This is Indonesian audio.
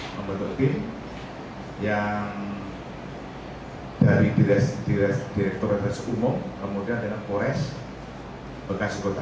membentuk tim yang dari direkturat umum kemudian dengan polres bekasi kota